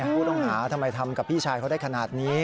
ผู้ต้องหาทำไมทำกับพี่ชายเขาได้ขนาดนี้